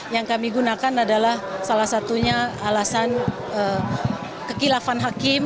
yang kami gunakan adalah salah satunya alasan kekilafan hakim